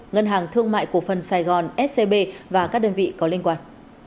ngân hàng thương mại cổ phần sài gòn scb và các đơn vị có liên quan